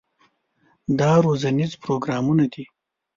دا روزنیز پروګرامونه دي.